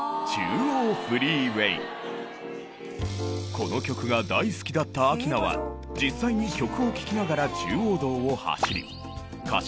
この曲が大好きだった明菜は実際に曲を聴きながら中央道を走り歌詞どおりに右手に